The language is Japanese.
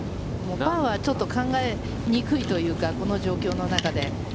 パーはちょっと考えにくいというかこの状況の中で。